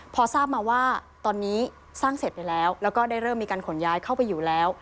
พอทราบมาว่าตอนนี้สร้างเสร็จไปแล้วแล้วก็ได้เริ่มมีการขนย้ายเข้าไปอยู่แล้ว